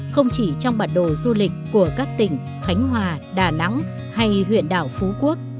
không chỉ trong bản đồ du lịch của các tỉnh khánh hòa đà nẵng hay huyện đảo phú quốc